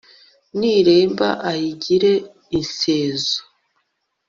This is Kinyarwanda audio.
niremba ayigire insezo